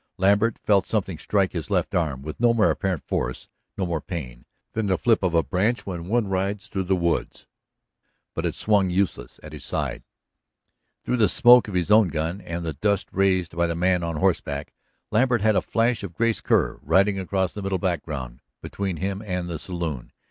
Lambert felt something strike his left arm, with no more apparent force, no more pain, than the flip of a branch when one rides through the woods. But it swung useless at his side. Through the smoke of his own gun, and the dust raised by the man on horseback, Lambert had a flash of Grace Kerr riding across the middle background between him and the saloon.